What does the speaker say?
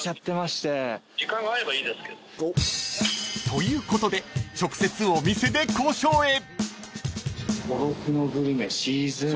［ということで直接お店で交渉へ］